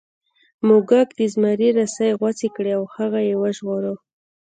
موږک د زمري رسۍ غوڅې کړې او هغه یې وژغوره.